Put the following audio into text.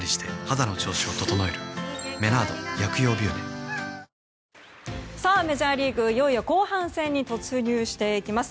脂肪に選べる「コッコアポ」メジャーリーグ、いよいよ後半戦に突入していきます。